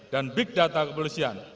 dan big data kepolisian